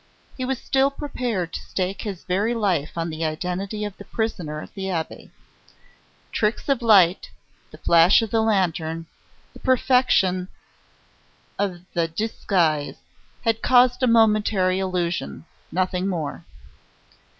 He was still prepared to stake his very life on the identity of the prisoner at the Abbaye. Tricks of light, the flash of the lantern, the perfection of the disguise, had caused a momentary illusion nothing more.